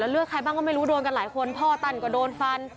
เลือกใครบ้างก็ไม่รู้โดนกันหลายคนพ่อตั้นก็โดนฟัน